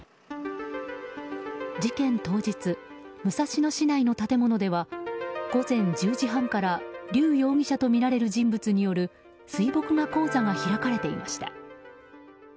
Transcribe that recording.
当日武蔵野市内の建物では午前１０時半からリュウ容疑者とみられる人物による水墨画講座が開かれていました。